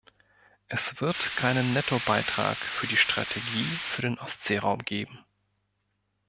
Es wird keinen Nettobeitrag für die Strategie für den Ostseeraum geben.